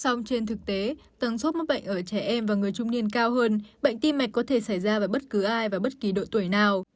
xong trên thực tế tầng số mắc bệnh ở trẻ em và người trung niên cao hơn bệnh tim mạch có thể xảy ra vào bất cứ ai và bất kỳ độ tuổi nào